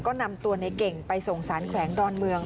ก็นำตัวในเก่งไปส่งสารแขวงดอนเมือง